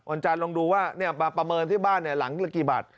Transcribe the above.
วันจานลองดูว่าประเมินที่บ้านหลังกี่บาท